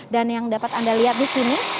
dan yang dapat anda lihat di sini